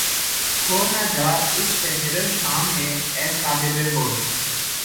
کھو نہ جا اس سحر و شام میں اے صاحب ہوش